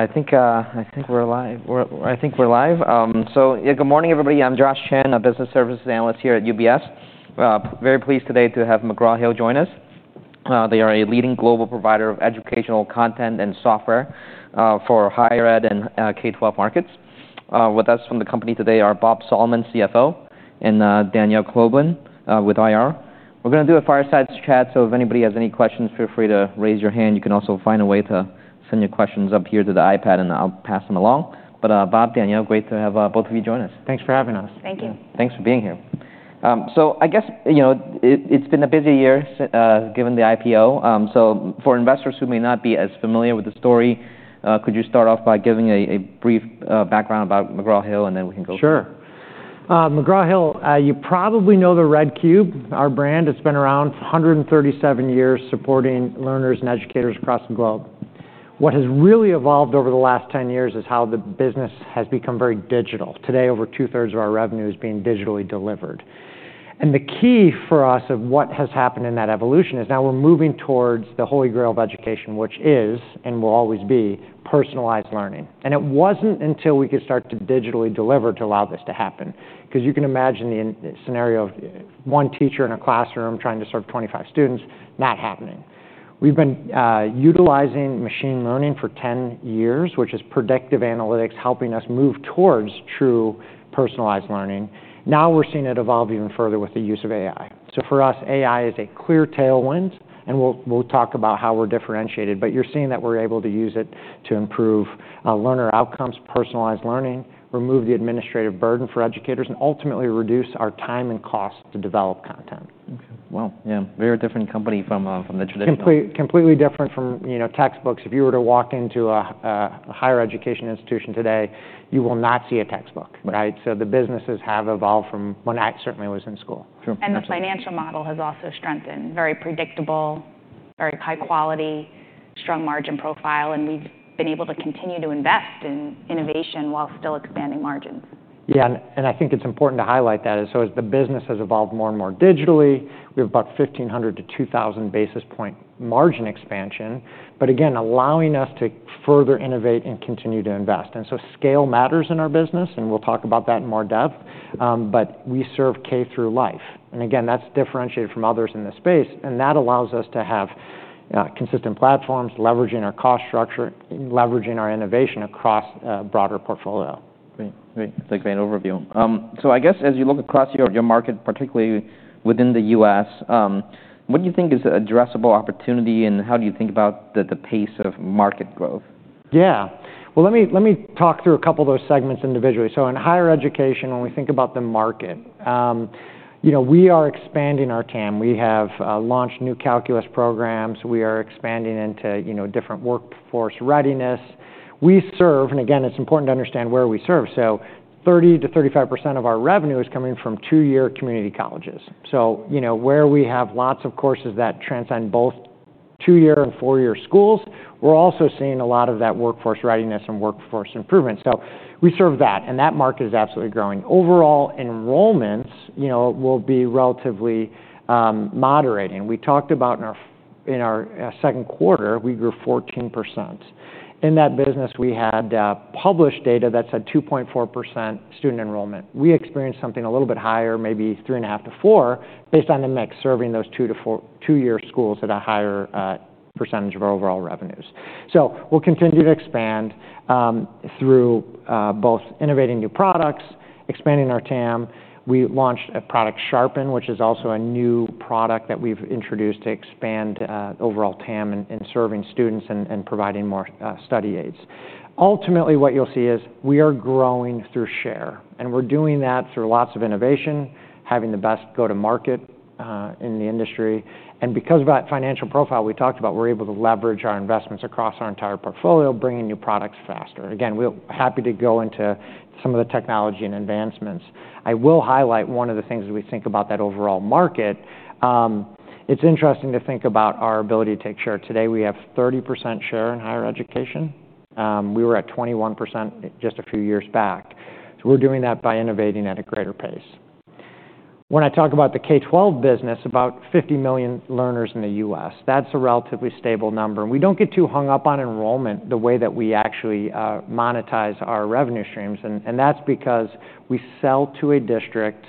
I think we're live. Yeah, good morning everybody. I'm Josh Chen, a business services analyst here at UBS. Very pleased today to have McGraw Hill join us. They are a leading global provider of educational content and software for higher ed and K-12 markets. With us from the company today are Bob Sallman, CFO, and Danielle Kloeblen with IR. We're gonna do a fireside chat, so if anybody has any questions, feel free to raise your hand. You can also find a way to send your questions up here to the iPad, and I'll pass them along. Bob, Danielle, great to have both of you join us. Thanks for having us. Thank you. Thanks for being here. So I guess, you know, it's been a busy year, given the IPO. So for investors who may not be as familiar with the story, could you start off by giving a brief background about McGraw Hill, and then we can go from there? Sure. McGraw Hill, you probably know the Red Cube, our brand. It's been around for 137 years, supporting learners and educators across the globe. What has really evolved over the last 10 years is how the business has become very digital. Today, over two-thirds of our revenue is being digitally delivered. And the key for us of what has happened in that evolution is now we're moving towards the Holy Grail of education, which is, and will always be, personalized learning. And it wasn't until we could start to digitally deliver to allow this to happen, 'cause you can imagine the scenario of one teacher in a classroom trying to serve 25 students, not happening. We've been, utilizing machine learning for 10 years, which is predictive analytics, helping us move towards true personalized learning. Now we're seeing it evolve even further with the use of AI. For us, AI is a clear tailwind, and we'll talk about how we're differentiated, but you're seeing that we're able to use it to improve learner outcomes, personalized learning, remove the administrative burden for educators, and ultimately reduce our time and cost to develop content. Okay. Wow. Yeah. Very different company from the traditional. Completely, completely different from, you know, textbooks. If you were to walk into a higher education institution today, you will not see a textbook, right? So the businesses have evolved from when I certainly was in school. Sure. And the financial model has also strengthened. Very predictable, very high quality, strong margin profile, and we've been able to continue to invest in innovation while still expanding margins. Yeah. I think it's important to highlight that as the business has evolved more and more digitally, we have about 1,500-2,000 basis points margin expansion, but again, allowing us to further innovate and continue to invest, and so scale matters in our business, and we'll talk about that in more depth, but we serve K through life, and again, that's differentiated from others in this space, and that allows us to have consistent platforms, leveraging our cost structure, leveraging our innovation across a broader portfolio. Great. Great. That's a great overview. So I guess as you look across your market, particularly within the U.S., what do you think is the addressable opportunity, and how do you think about the pace of market growth? Yeah. Well, let me talk through a couple of those segments individually. So in higher education, when we think about the market, you know, we are expanding our TAM. We have launched new calculus programs. We are expanding into, you know, different workforce readiness. We serve, and again, it's important to understand where we serve. So 30%-35% of our revenue is coming from two-year community colleges. So, you know, where we have lots of courses that transcend both two-year and four-year schools, we're also seeing a lot of that workforce readiness and workforce improvement. So we serve that, and that market is absolutely growing. Overall enrollments, you know, will be relatively moderating. We talked about in our second quarter, we grew 14%. In that business, we had published data that said 2.4% student enrollment. We experienced something a little bit higher, maybe three and a half to four, based on the mix serving those two to four-year schools at a higher percentage of our overall revenues. So we'll continue to expand through both innovating new products, expanding our TAM. We launched a product, Sharpen, which is also a new product that we've introduced to expand overall TAM and serving students and providing more study aids. Ultimately, what you'll see is we are growing through share, and we're doing that through lots of innovation, having the best go-to-market in the industry, and because of that financial profile we talked about, we're able to leverage our investments across our entire portfolio, bringing new products faster. Again, we'll be happy to go into some of the technology and advancements. I will highlight one of the things as we think about that overall market. It's interesting to think about our ability to take share. Today, we have 30% share in higher education. We were at 21% just a few years back. So we're doing that by innovating at a greater pace. When I talk about the K-12 business, about 50 million learners in the U.S., that's a relatively stable number. And we don't get too hung up on enrollment the way that we actually monetize our revenue streams. And that's because we sell to a district.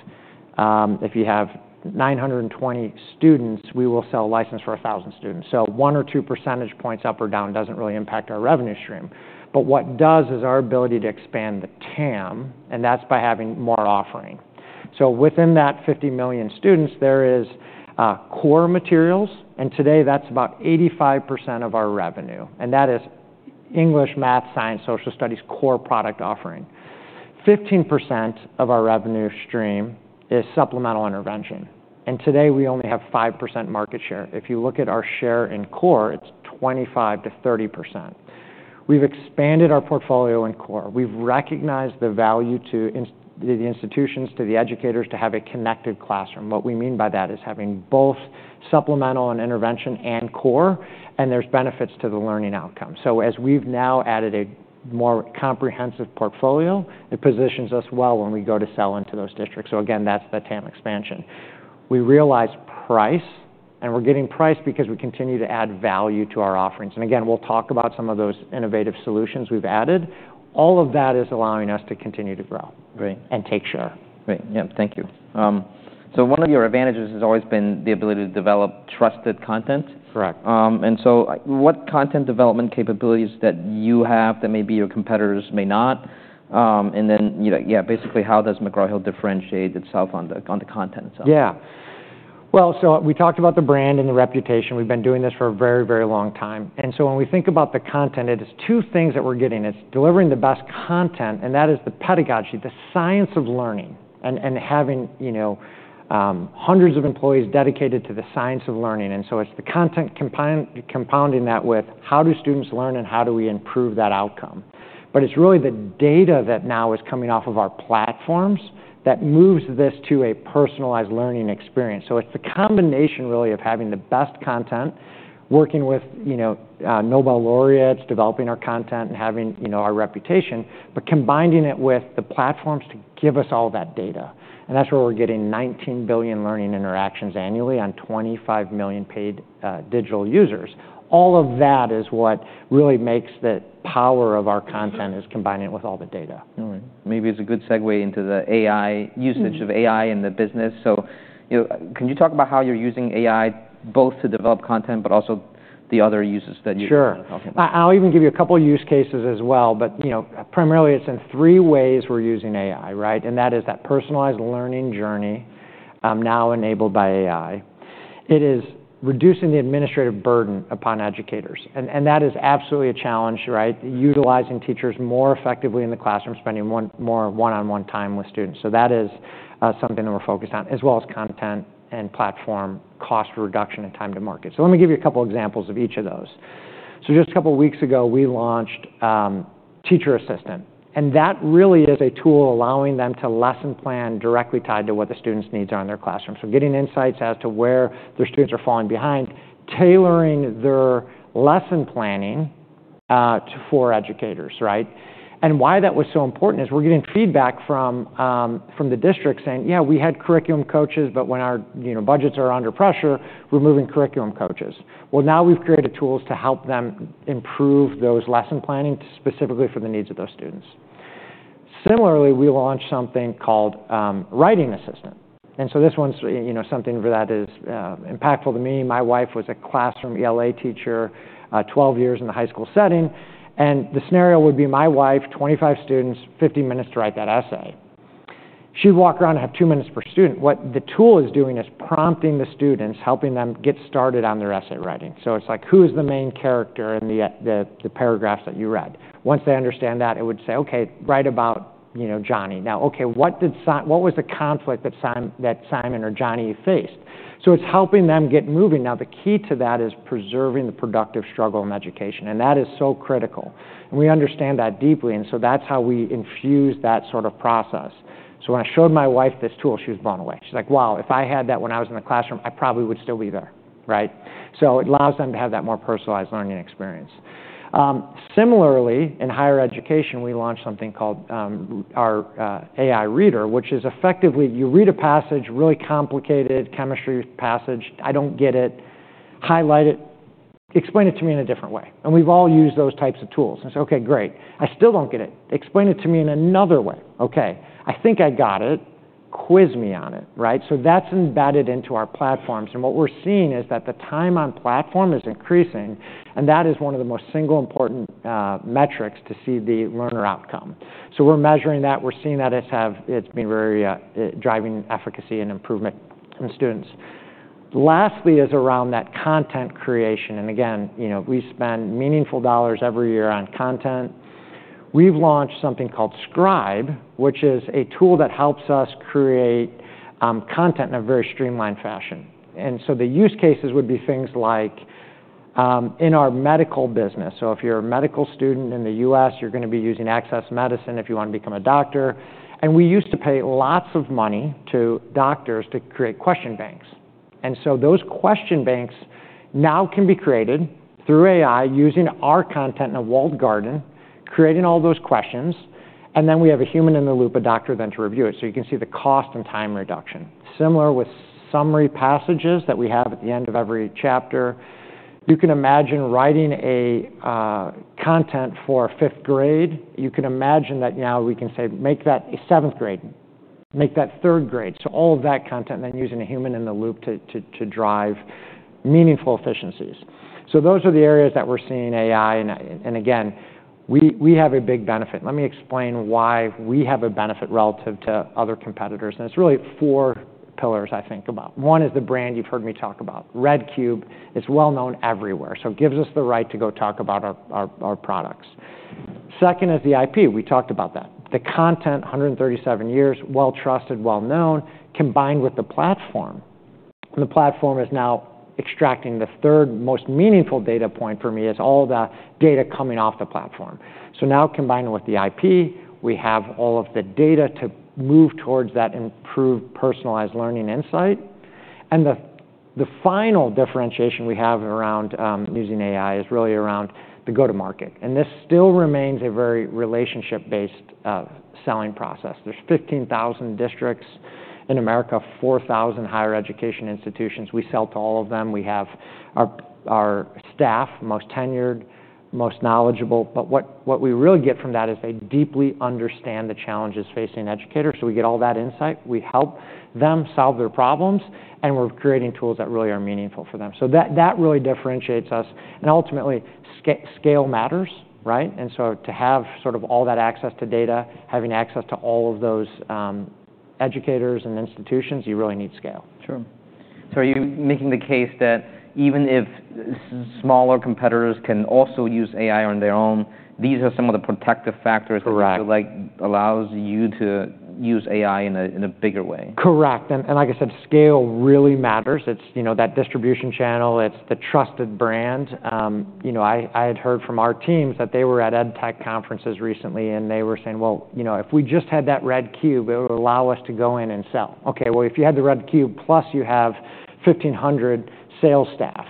If you have 920 students, we will sell a license for 1,000 students. So one or two percentage points up or down doesn't really impact our revenue stream. But what does is our ability to expand the TAM, and that's by having more offering. So within that 50 million students, there is core materials, and today that's about 85% of our revenue. And that is English, math, science, social studies, core product offering. 15% of our revenue stream is supplemental intervention. And today we only have 5% market share. If you look at our share in core, it's 25%-30%. We've expanded our portfolio in core. We've recognized the value to the institutions, to the educators, to have a connected classroom. What we mean by that is having both supplemental and intervention and core, and there's benefits to the learning outcome. So as we've now added a more comprehensive portfolio, it positions us well when we go to sell into those districts. So again, that's the TAM expansion. We realize price, and we're getting price because we continue to add value to our offerings. And again, we'll talk about some of those innovative solutions we've added. All of that is allowing us to continue to grow. Great. Take share. Great. Yep. Thank you. So one of your advantages has always been the ability to develop trusted content. Correct. And so what content development capabilities that you have that maybe your competitors may not, and then, you know, yeah, basically how does McGraw Hill differentiate itself on the content itself? Yeah. Well, so we talked about the brand and the reputation. We've been doing this for a very, very long time. And so when we think about the content, it is two things that we're getting. It's delivering the best content, and that is the pedagogy, the science of learning, and having, you know, hundreds of employees dedicated to the science of learning. And so it's the content compound, compounding that with how do students learn and how do we improve that outcome. But it's really the data that now is coming off of our platforms that moves this to a personalized learning experience. So it's the combination really of having the best content, working with, you know, Nobel laureates, developing our content and having, you know, our reputation, but combining it with the platforms to give us all that data. And that's where we're getting 19 billion learning interactions annually on 25 million paid, digital users. All of that is what really makes the power of our content is combining it with all the data. All right. Maybe it's a good segue into the AI usage of AI in the business, so you know, can you talk about how you're using AI both to develop content but also the other uses that you're talking about? Sure. I'll even give you a couple of use cases as well, but, you know, primarily it's in three ways we're using AI, right? And that is that personalized learning journey, now enabled by AI. It is reducing the administrative burden upon educators. And that is absolutely a challenge, right? Utilizing teachers more effectively in the classroom, spending more one-on-one time with students. So that is something that we're focused on, as well as content and platform cost reduction and time to market. So let me give you a couple of examples of each of those. So just a couple of weeks ago, we launched Teacher Assistant. And that really is a tool allowing them to lesson plan directly tied to what the students' needs are in their classroom. So getting insights as to where their students are falling behind, tailoring their lesson planning for educators, right? Why that was so important is we're getting feedback from the district saying, "Yeah, we had curriculum coaches, but when our, you know, budgets are under pressure, we're moving curriculum coaches." Now we've created tools to help them improve those lesson planning specifically for the needs of those students. Similarly, we launched something called Writing Assistant. So this one's, you know, something for that is impactful to me. My wife was a classroom ELA teacher, 12 years in the high school setting. The scenario would be my wife, 25 students, 50 minutes to write that essay. She'd walk around and have two minutes per student. What the tool is doing is prompting the students, helping them get started on their essay writing. So it's like, "Who is the main character in the paragraphs that you read?" Once they understand that, it would say, "Okay, write about, you know, Johnny." Now, okay, what was the conflict that Simon or Johnny faced? So it's helping them get moving. Now, the key to that is preserving the productive struggle in education, and that is so critical. And we understand that deeply, and so that's how we infuse that sort of process. So when I showed my wife this tool, she was blown away. She's like, "Wow, if I had that when I was in the classroom, I probably would still be there," right? So it allows them to have that more personalized learning experience. Similarly, in higher education, we launched something called our AI Reader, which is effectively you read a passage, really complicated chemistry passage, I don't get it, highlight it, explain it to me in a different way, and we've all used those types of tools. I say, "Okay, great. I still don't get it. Explain it to me in another way. Okay. I think I got it. Quiz me on it," right? So that's embedded into our platforms, and what we're seeing is that the time on platform is increasing, and that is one of the most single important metrics to see the learner outcome. So we're measuring that. We're seeing that it's been very driving efficacy and improvement in students. Lastly is around that content creation, and again, you know, we spend meaningful dollars every year on content. We've launched something called Scribe, which is a tool that helps us create content in a very streamlined fashion. And so the use cases would be things like, in our medical business. So if you're a medical student in the U.S., you're gonna be using AccessMedicine if you wanna become a doctor. And we used to pay lots of money to doctors to create question banks. And so those question banks now can be created through AI using our content in a walled garden, creating all those questions, and then we have a human in the loop, a doctor then to review it. So you can see the cost and time reduction. Similar with summary passages that we have at the end of every chapter. You can imagine writing content for fifth grade. You can imagine that now we can say, "Make that a seventh grade. Make that third grade," so all of that content, then using a human in the loop to drive meaningful efficiencies, so those are the areas that we're seeing AI and again, we have a big benefit. Let me explain why we have a benefit relative to other competitors, and it's really four pillars I think about. One is the brand you've heard me talk about, Red Cube. It's well known everywhere, so it gives us the right to go talk about our products. Second is the IP. We talked about that. The content, 137 years, well trusted, well known, combined with the platform, and the platform is now extracting. The third most meaningful data point for me is all the data coming off the platform. So now combined with the IP, we have all of the data to move towards that improved personalized learning insight. And the final differentiation we have around using AI is really around the go-to-market. And this still remains a very relationship-based selling process. There's 15,000 districts in America, 4,000 higher education institutions. We sell to all of them. We have our staff, most tenured, most knowledgeable. But what we really get from that is they deeply understand the challenges facing educators. So we get all that insight. We help them solve their problems, and we're creating tools that really are meaningful for them. So that really differentiates us. And ultimately, scale matters, right? And so to have sort of all that access to data, having access to all of those educators and institutions, you really need scale. Sure. So are you making the case that even if smaller competitors can also use AI on their own, these are some of the protective factors that? Correct. Like allows you to use AI in a bigger way? Correct, and like I said, scale really matters. It's, you know, that distribution channel. It's the trusted brand. You know, I had heard from our teams that they were at EdTech conferences recently, and they were saying, "Well, you know, if we just had that Red Cube, it would allow us to go in and sell." Okay. Well, if you had the Red Cube plus you have 1,500 sales staff,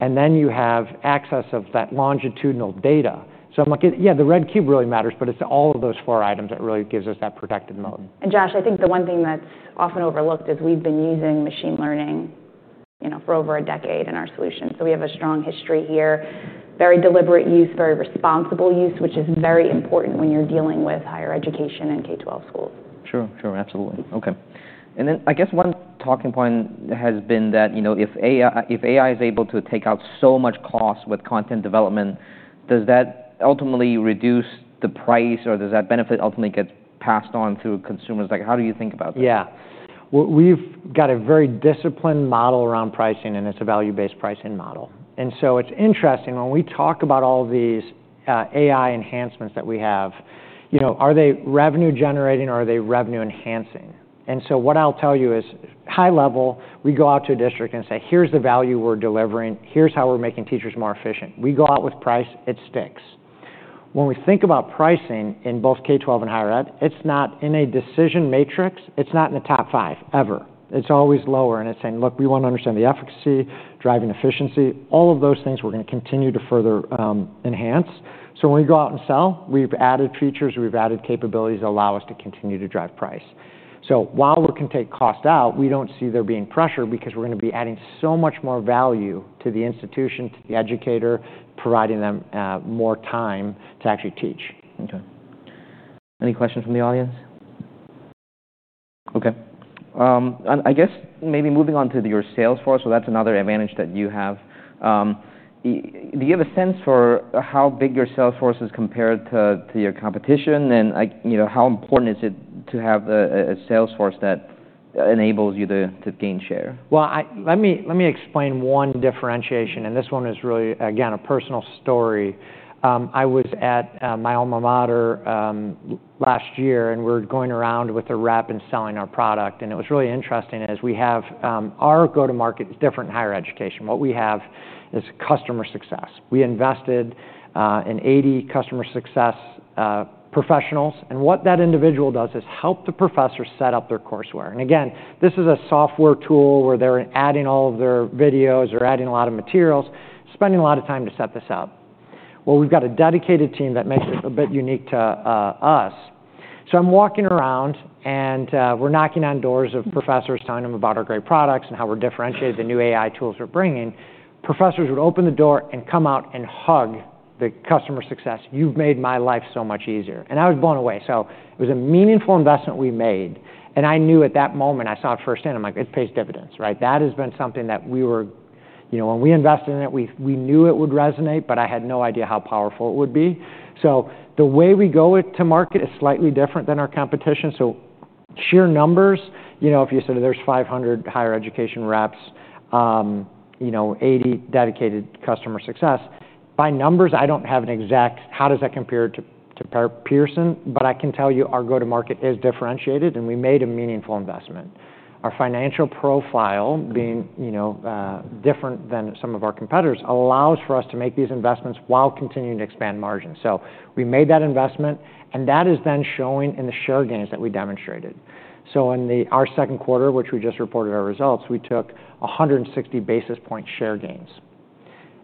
and then you have access of that longitudinal data, so I'm like, "Yeah, the Red Cube really matters, but it's all of those four items that really gives us that protected mode. Josh, I think the one thing that's often overlooked is we've been using machine learning, you know, for over a decade in our solution. We have a strong history here, very deliberate use, very responsible use, which is very important when you're dealing with higher education and K-12 schools. Sure. Sure. Absolutely. Okay. And then I guess one talking point has been that, you know, if AI, if AI is able to take out so much cost with content development, does that ultimately reduce the price or does that benefit ultimately get passed on through consumers? Like, how do you think about that? Yeah. Well, we've got a very disciplined model around pricing, and it's a value-based pricing model. And so it's interesting when we talk about all these AI enhancements that we have, you know, are they revenue generating or are they revenue enhancing? And so what I'll tell you is high level, we go out to a district and say, "Here's the value we're delivering. Here's how we're making teachers more efficient." We go out with price, it sticks. When we think about pricing in both K-12 and higher ed, it's not in a decision matrix. It's not in the top five ever. It's always lower. And it's saying, "Look, we wanna understand the efficacy, driving efficiency." All of those things we're gonna continue to further enhance. So when we go out and sell, we've added features, we've added capabilities that allow us to continue to drive price. So while we can take cost out, we don't see there being pressure because we're gonna be adding so much more value to the institution, to the educator, providing them, more time to actually teach. Okay. Any questions from the audience? Okay, and I guess maybe moving on to your sales force, so that's another advantage that you have. Do you have a sense for how big your sales force is compared to your competition? And, like, you know, how important is it to have a sales force that enables you to gain share? Let me explain one differentiation. And this one is really, again, a personal story. I was at my alma mater last year, and we're going around with a rep and selling our product. And it was really interesting as we have our go-to-market is different in higher education. What we have is customer success. We invested in 80 customer success professionals. And what that individual does is help the professor set up their courseware. And again, this is a software tool where they're adding all of their videos, they're adding a lot of materials, spending a lot of time to set this up. We've got a dedicated team that makes it a bit unique to us. So I'm walking around and we're knocking on doors of professors telling them about our great products and how we're differentiated, the new AI tools we're bringing. Professors would open the door and come out and hug the customer success. "You've made my life so much easier," and I was blown away, so it was a meaningful investment we made, and I knew at that moment, I saw it firsthand, I'm like, "It pays dividends," right? That has been something that we were, you know, when we invested in it, we knew it would resonate, but I had no idea how powerful it would be, so the way we go to market is slightly different than our competition, so sheer numbers, you know, if you said there's 500 higher education reps, you know, 80 dedicated customer success. By numbers, I don't have an exact how does that compare to Pearson, but I can tell you our go-to-market is differentiated and we made a meaningful investment. Our financial profile being, you know, different than some of our competitors allows for us to make these investments while continuing to expand margins. So we made that investment, and that is then showing in the share gains that we demonstrated. So in our second quarter, which we just reported our results, we took 160 basis points share gains.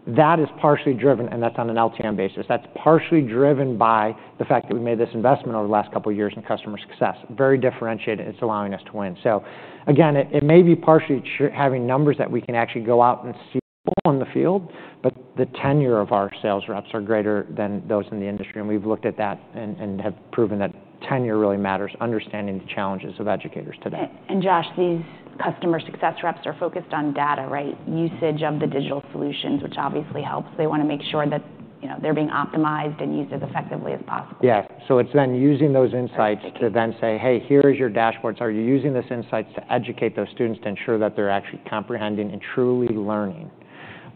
That is partially driven, and that's on an LTM basis. That's partially driven by the fact that we made this investment over the last couple of years in customer success. Very differentiated. It's allowing us to win. So again, it may be partially having numbers that we can actually go out and see in the field, but the tenure of our sales reps are greater than those in the industry. And we've looked at that and have proven that tenure really matters, understanding the challenges of educators today. Josh, these customer success reps are focused on data, right? Usage of the digital solutions, which obviously helps. They wanna make sure that, you know, they're being optimized and used as effectively as possible. Yeah. It is then using those insights to then say, "Hey, here's your dashboards. Are you using these insights to educate those students to ensure that they're actually comprehending and truly learning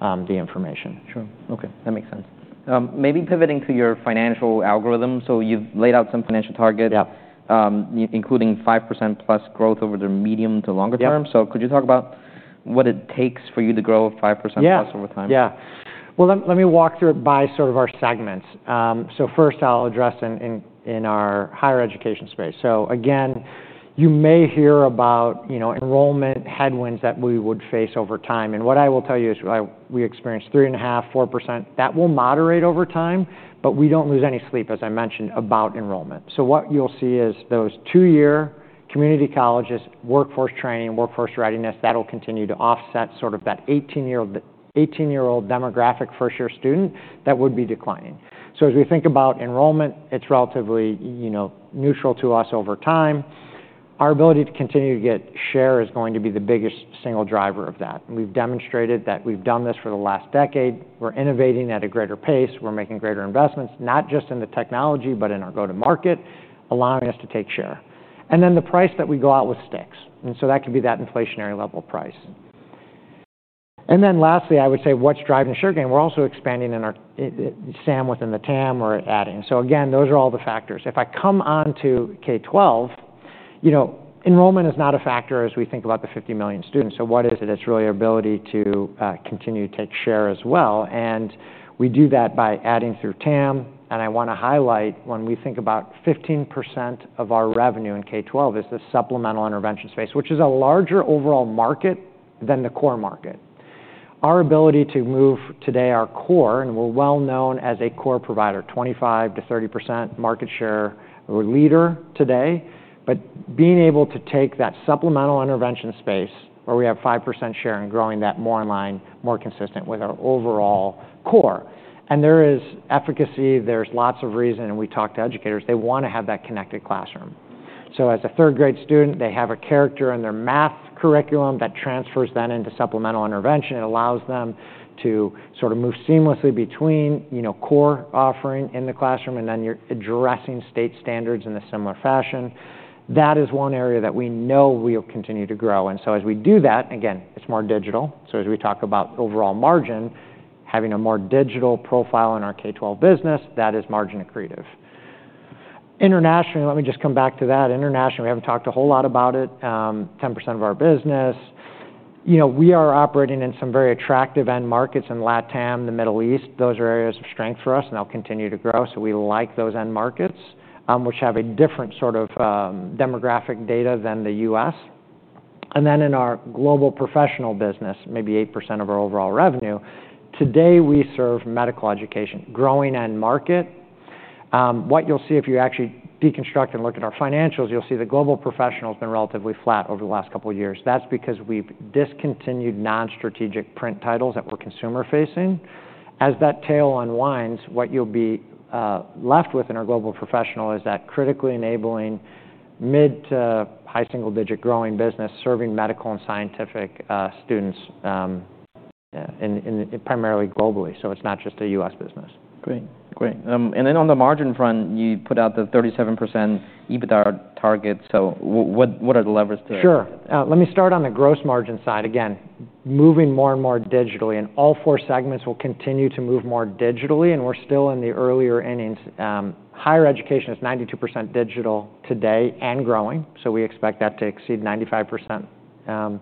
the information? Sure. Okay. That makes sense. Maybe pivoting to your financial algorithm. So you've laid out some financial targets. Yeah. including 5% plus growth over the medium to longer term. So could you talk about what it takes for you to grow 5% plus over time? Yeah. Yeah. Well, let me walk through it by sort of our segments. So first I'll address in our higher education space. So again, you may hear about, you know, enrollment headwinds that we would face over time. And what I will tell you is, we experience 3.5-4% that will moderate over time, but we don't lose any sleep, as I mentioned, about enrollment. So what you'll see is those two-year community colleges, workforce training, workforce readiness, that'll continue to offset sort of that 18-year-old demographic first-year student that would be declining. So as we think about enrollment, it's relatively, you know, neutral to us over time. Our ability to continue to get share is going to be the biggest single driver of that. We've demonstrated that we've done this for the last decade. We're innovating at a greater pace. We're making greater investments, not just in the technology, but in our go-to-market, allowing us to take share. And then the price that we go out with sticks. And so that could be that inflationary level price. And then lastly, I would say what's driving the share gain. We're also expanding in our SAM within the TAM or adding. So again, those are all the factors. If I come on to K-12, you know, enrollment is not a factor as we think about the 50 million students. So what is it? It's really our ability to continue to take share as well. And we do that by adding through TAM. And I wanna highlight when we think about 15% of our revenue in K-12 is the supplemental intervention space, which is a larger overall market than the core market. Our ability to move today our core, and we're well known as a core provider, 25%-30% market share. We're leader today, but being able to take that supplemental intervention space where we have 5% share and growing that more in line, more consistent with our overall core. And there is efficacy. There's lots of reason. And we talk to educators. They wanna have that connected classroom. So as a third-grade student, they have a character in their math curriculum that transfers then into supplemental intervention. It allows them to sort of move seamlessly between, you know, core offering in the classroom and then you're addressing state standards in a similar fashion. That is one area that we know we'll continue to grow. And so as we do that, again, it's more digital. So as we talk about overall margin, having a more digital profile in our K-12 business, that is margin accretive. Internationally, let me just come back to that. Internationally, we haven't talked a whole lot about it. 10% of our business, you know, we are operating in some very attractive end markets in LATAM, the Middle East. Those are areas of strength for us, and they'll continue to grow. So we like those end markets, which have a different sort of, demographic data than the U.S. And then in our global professional business, maybe 8% of our overall revenue. Today, we serve medical education, growing end market. What you'll see if you actually deconstruct and look at our financials, you'll see the global professional has been relatively flat over the last couple of years. That's because we've discontinued non-strategic print titles that were consumer-facing. As that tail unwinds, what you'll be left with in our global professional is that critically enabling mid- to high single-digit growing business serving medical and scientific students in primarily globally. So it's not just a U.S. business. Great. Great. And then on the margin front, you put out the 37% EBITDA target. So what are the levers to? Sure. Let me start on the gross margin side. Again, moving more and more digitally. And all four segments will continue to move more digitally. And we're still in the earlier innings. Higher education is 92% digital today and growing. So we expect that to exceed 95%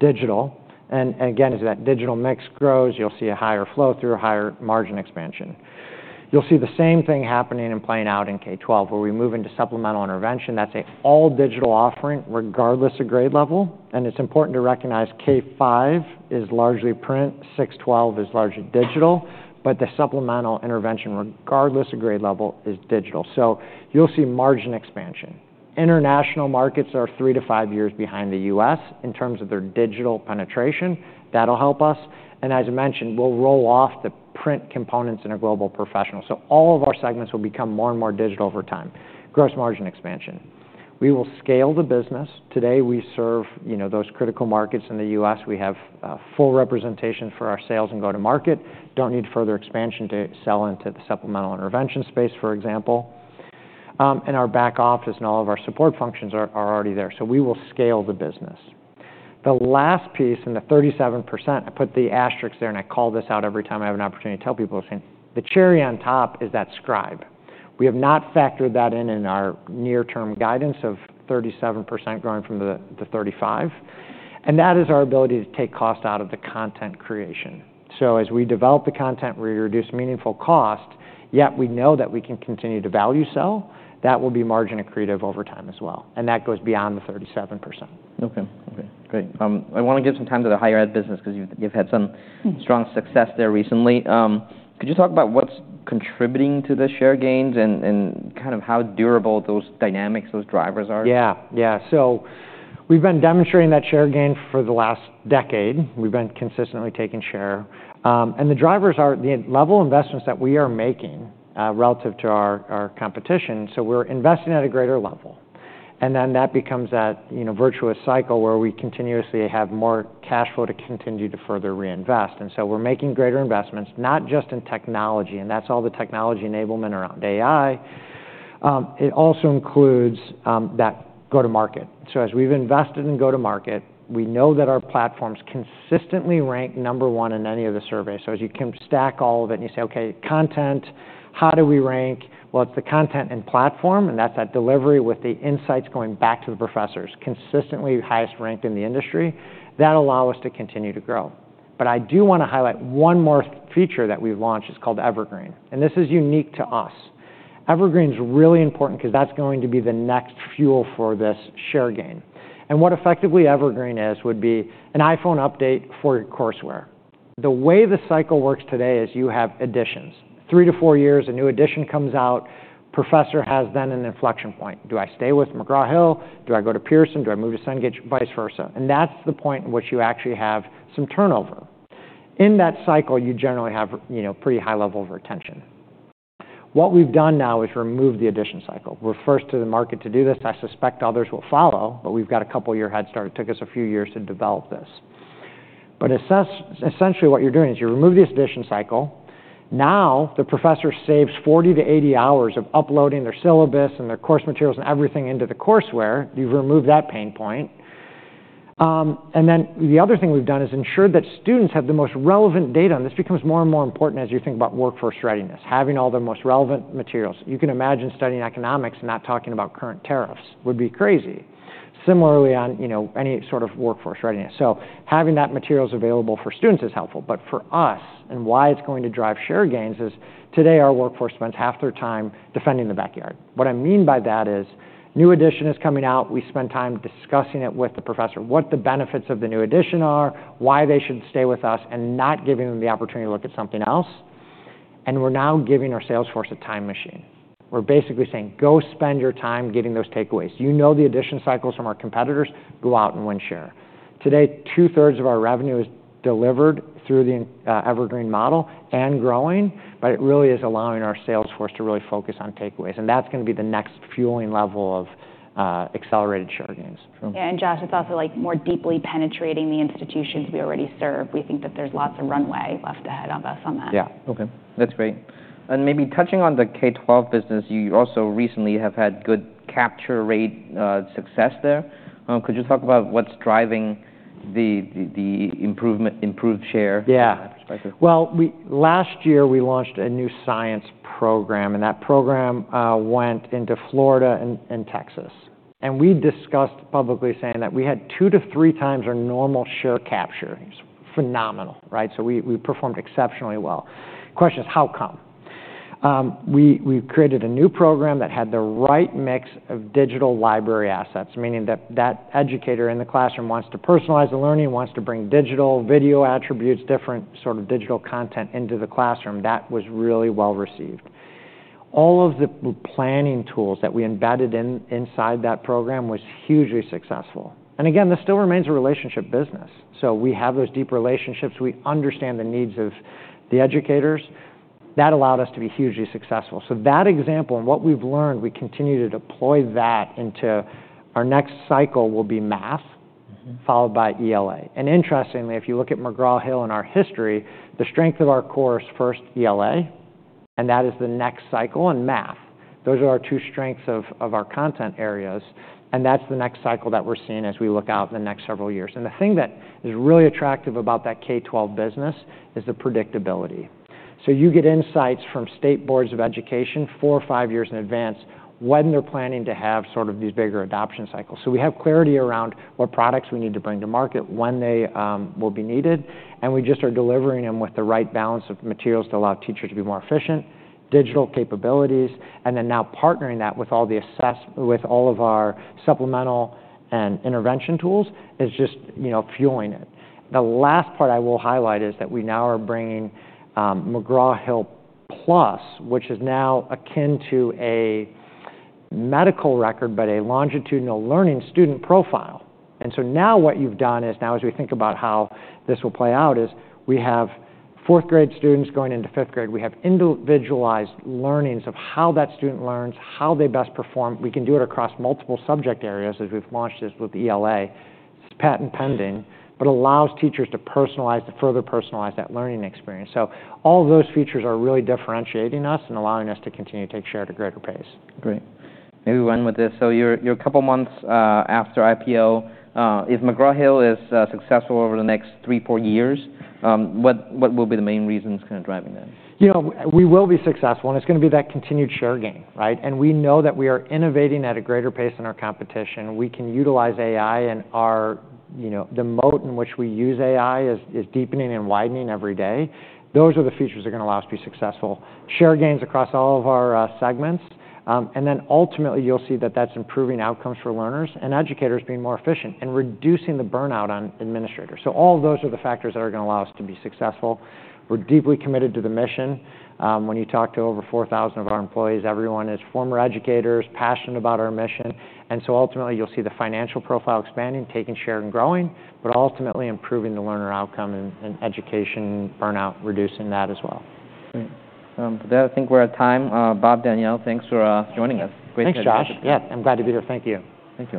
digital. And again, as that digital mix grows, you'll see a higher flow through, higher margin expansion. You'll see the same thing happening and playing out in K-12 where we move into supplemental intervention. That's an all-digital offering regardless of grade level. And it's important to recognize K-5 is largely print, 6-12 is largely digital, but the supplemental intervention regardless of grade level is digital. So you'll see margin expansion. International markets are three to five years behind the U.S. in terms of their digital penetration. That'll help us. And as I mentioned, we'll roll off the print components in a global professional. So all of our segments will become more and more digital over time. Gross margin expansion. We will scale the business. Today, we serve, you know, those critical markets in the U.S., We have a full representation for our sales and go-to-market. Don't need further expansion to sell into the supplemental intervention space, for example, and our back office and all of our support functions are already there. So we will scale the business. The last piece in the 37%, I put the asterisk there and I call this out every time I have an opportunity to tell people. I'm saying the cherry on top is that Scribe. We have not factored that in in our near-term guidance of 37% growing from the 35%. And that is our ability to take cost out of the content creation. So as we develop the content, we reduce meaningful cost, yet we know that we can continue to value sell. That will be margin accretive over time as well. And that goes beyond the 37%. Okay. Okay. Great. I wanna give some time to the higher ed business 'cause you've had some strong success there recently. Could you talk about what's contributing to the share gains and kind of how durable those dynamics, those drivers are? Yeah. Yeah. So we've been demonstrating that share gain for the last decade. We've been consistently taking share. And the drivers are the level of investments that we are making, relative to our competition. So we're investing at a greater level. And then that becomes that, you know, virtuous cycle where we continuously have more cash flow to continue to further reinvest. And so we're making greater investments, not just in technology. And that's all the technology enablement around AI. It also includes that go-to-market. So as we've invested in go-to-market, we know that our platforms consistently rank number one in any of the surveys. So as you can stack all of it and you say, "Okay, content, how do we rank?" Well, it's the content and platform, and that's that delivery with the insights going back to the professors, consistently highest ranked in the industry. That'll allow us to continue to grow. But I do wanna highlight one more feature that we've launched. It's called Evergreen. And this is unique to us. Evergreen's really important 'cause that's going to be the next fuel for this share gain. And what effectively Evergreen is would be an iPhone update for your courseware. The way the cycle works today is you have editions. Three-to-four years, a new edition comes out. Professor has then an inflection point. Do I stay with McGraw Hill? Do I go to Pearson? Do I move to Cengage? Vice versa. And that's the point in which you actually have some turnover. In that cycle, you generally have, you know, pretty high level of retention. What we've done now is remove the edition cycle. We're first to the market to do this. I suspect others will follow, but we've got a couple of years head start. It took us a few years to develop this. But essentially what you're doing is you remove this edition cycle. Now the professor saves 40-80 hours of uploading their syllabus and their course materials and everything into the courseware. You've removed that pain point, and then the other thing we've done is ensured that students have the most relevant data, and this becomes more and more important as you think about workforce readiness, having all the most relevant materials. You can imagine studying economics and not talking about current tariffs would be crazy. Similarly on, you know, any sort of workforce readiness. So having that materials available for students is helpful. But for us, and why it's going to drive share gains is today our workforce spends half their time defending the backyard. What I mean by that is new edition is coming out. We spend time discussing it with the professor, what the benefits of the new edition are, why they should stay with us, and not giving them the opportunity to look at something else. And we're now giving our salesforce a time machine. We're basically saying, "Go spend your time getting those takeaways." You know the edition cycles from our competitors. Go out and win share. Today, two-thirds of our revenue is delivered through the Evergreen model and growing, but it really is allowing our salesforce to really focus on takeaways. And that's gonna be the next fueling level of accelerated share gains. Yeah, and Josh, it's also like more deeply penetrating the institutions we already serve. We think that there's lots of runway left ahead of us on that. Yeah. Okay. That's great. And maybe touching on the K-12 business, you also recently have had good capture rate, success there. Could you talk about what's driving the improvement, improved share? Yeah. Well, last year we launched a new science program, and that program went into Florida and Texas. And we discussed publicly saying that we had two to three times our normal share capture. It's phenomenal, right? We performed exceptionally well. Question is, how come? We created a new program that had the right mix of digital library assets, meaning that the educator in the classroom wants to personalize the learning, wants to bring digital video attributes, different sort of digital content into the classroom. That was really well received. All of the planning tools that we embedded inside that program was hugely successful. Again, this still remains a relationship business. We have those deep relationships. We understand the needs of the educators. That allowed us to be hugely successful. That example and what we've learned, we continue to deploy that into our next cycle, which will be math, followed by ELA. Interestingly, if you look at McGraw Hill in our history, the strength of our core first ELA, and that is the next cycle in math. Those are our two strengths of our content areas. And that's the next cycle that we're seeing as we look out the next several years. And the thing that is really attractive about that K-12 business is the predictability. You get insights from state boards of education four or five years in advance when they're planning to have sort of these bigger adoption cycles. So we have clarity around what products we need to bring to market when they will be needed. And we just are delivering them with the right balance of materials to allow teachers to be more efficient, digital capabilities, and then now partnering that with all the assessments, with all of our supplemental and intervention tools is just, you know, fueling it. The last part I will highlight is that we now are bringing McGraw Hill Plus, which is now akin to a medical record, but a longitudinal learning student profile. And so now what you've done is now as we think about how this will play out is we have fourth-grade students going into fifth grade. We have individualized learnings of how that student learns, how they best perform. We can do it across multiple subject areas as we've launched this with ELA. It's patent pending, but it allows teachers to personalize, to further personalize that learning experience. So all of those features are really differentiating us and allowing us to continue to take share at a greater pace. Great. Maybe one with this. So you're a couple months after IPO. If McGraw Hill is successful over the next three, four years, what will be the main reasons kind of driving that? You know, we will be successful, and it's gonna be that continued share gain, right? And we know that we are innovating at a greater pace than our competition. We can utilize AI and our, you know, the moat in which we use AI is deepening and widening every day. Those are the features that are gonna allow us to be successful. Share gains across all of our segments, and then ultimately you'll see that that's improving outcomes for learners and educators being more efficient and reducing the burnout on administrators. So all of those are the factors that are gonna allow us to be successful. We're deeply committed to the mission. When you talk to over 4,000 of our employees, everyone is former educators, passionate about our mission. And so ultimately you'll see the financial profile expanding, taking share and growing, but ultimately improving the learner outcome and education burnout, reducing that as well. Great. With that, I think we're at time. Bob, Danielle, thanks for joining us. Great to have you. Thanks, Josh. Yeah. I'm glad to be here. Thank you. Thank you.